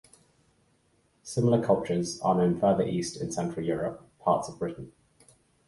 Similar cultures are known further east in central Europe, parts of Britain.